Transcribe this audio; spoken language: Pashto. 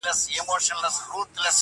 د هوا نه یې مرګ غواړه قاسم یاره،